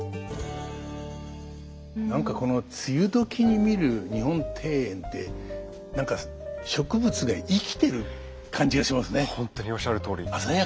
何かこの梅雨時に見る日本庭園って何か植物が生きてる感じがしますね。